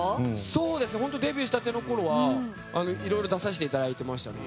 そうですねデビューしたてのころはいろいろ出させていただいてましたね。